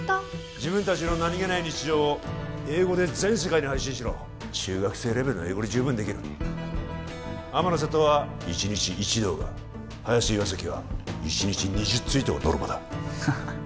自分達の何げない日常を英語で全世界に配信しろ中学生レベルの英語で十分できる天野瀬戸は１日１動画早瀬岩崎は１日２０ツイートがノルマだハハッ